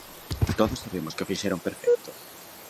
Todos sabemos que o fixeron perfecto.